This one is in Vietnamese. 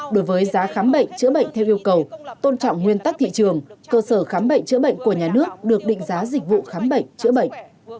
đối với giá khám bệnh chữa bệnh theo yêu cầu tôn trọng nguyên tắc thị trường cơ sở khám bệnh chữa bệnh của nhà nước được định giá dịch vụ khám bệnh chữa bệnh